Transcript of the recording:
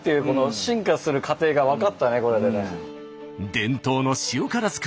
伝統の塩辛づくり。